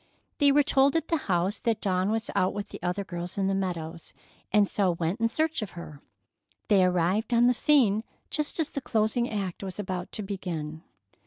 They were told at the house that Dawn was out with the other girls in the meadows, and so went in search of her. They arrived on the scene just as the closing act was about to begin.